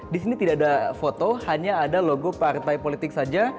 di sini tidak ada foto hanya ada logo partai politik saja